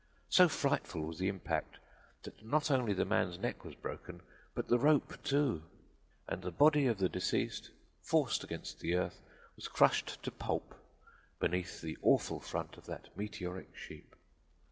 So frightful was the impact that not only the man's neck was broken, but the rope too; and the body of the deceased, forced against the earth, was crushed to pulp beneath the awful front of that meteoric sheep!